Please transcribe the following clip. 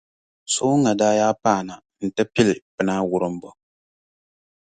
Sooŋa daa yaa paana nti pili pina wurimbu.